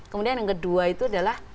kemudian yang kedua itu adalah